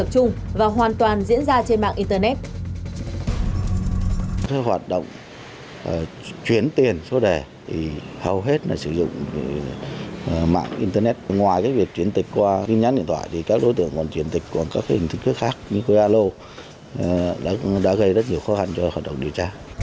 chung và hoàn toàn diễn ra trên mạng internet